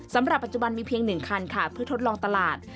สำหรับปัจจุบันมีเพียง๑คันค่ะเพื่อทดลองตลาด